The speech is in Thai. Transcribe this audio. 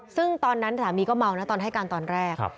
ซึ่งตอนนั้นสามีก็เมานะตอนให้การตอนแรก